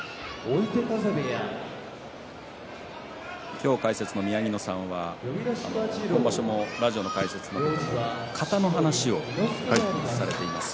今日、解説の宮城野さんは今場所もラジオの解説で型の話をされています。